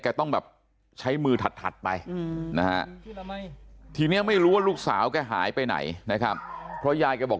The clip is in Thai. ต้องแบบใช้มือถัดไปนะฮะทีนี้ไม่รู้ว่าลูกสาวแกหายไปไหนนะครับเพราะยายแกบอก